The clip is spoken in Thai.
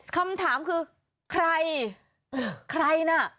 คำถามคือใครใครน่ะ